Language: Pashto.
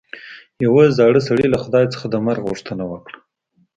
یوه زاړه سړي له خدای څخه د مرګ غوښتنه وکړه.